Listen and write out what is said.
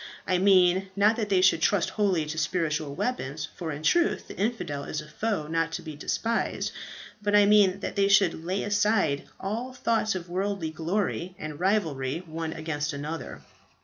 I mean, not that they should trust wholly to spiritual weapons for in truth the infidel is a foe not to be despised but I mean, that they should lay aside all thoughts of worldly glory, and rivalry one against another."